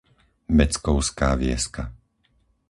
Beckovská Vieska